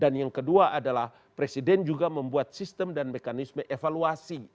dan yang kedua adalah presiden juga membuat sistem dan mekanisme evaluasi